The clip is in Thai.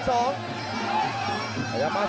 โอ้โหต่อกับทีมซ้ายโอ้โหโอ้โหโอ้โห